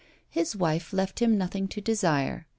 His wife left him nothing to desire.